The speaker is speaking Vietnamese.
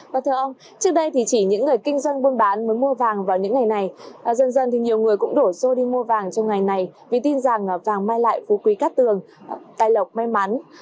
vì tin rằng vàng may lại phú quý cắt tường tài lộc may mắn